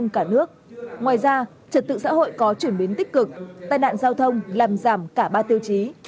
ngoài ra trật tự xã hội có chuyển biến tích cực tai nạn giao thông làm giảm cả ba tiêu chí